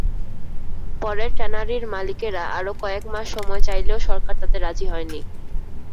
পরে ট্যানারির মালিকেরা আরও কয়েক মাস সময় চাইলেও সরকার তাতে রাজি হয়নি।